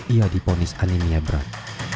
ia diponis anemia berat